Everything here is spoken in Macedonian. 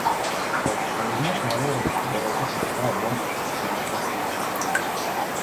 Кога ќе погледнеш надвор од прозорецот на својот дом, гледаш ли стихови?